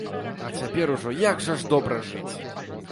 А цяпер ужо як жа ж добра жыць!